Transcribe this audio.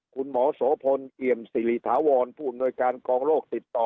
คุณหมอโสพลเอี่ยมสิริถาวรผู้อำนวยการกองโรคติดต่อ